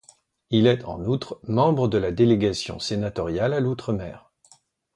Il est en outre membre de la délégation sénatoriale à l'Outre-mer.